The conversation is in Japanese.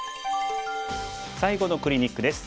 最後のクリニックです。